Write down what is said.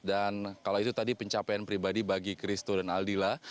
dan kalau itu tadi pencapaian pribadi bagi christo dan aldila